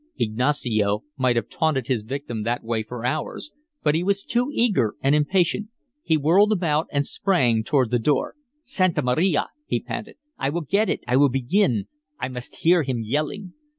Ignacio might have taunted his victim that way for hours, but he was too eager and impatient. He whirled about and sprang toward the door. "Santa Maria!" he panted. "I will get it! I will begin! I must hear him yelling!"